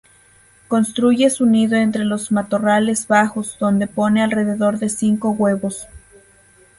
Construye su nido entre los matorrales bajos, donde pone alrededor de cinco huevos.